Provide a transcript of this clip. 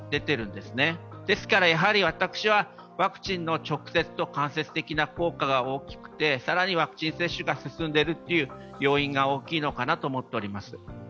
ですからワクチンの直接・間接的な効果が大きくて更にワクチン接種が進んでいるという要因が大きいのかなと思っております。